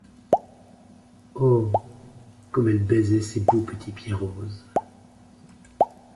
Oh ! comme elle baisait ces beaux petits pieds roses !